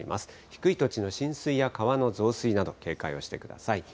低い土地の浸水や川の増水など、警戒をしてください。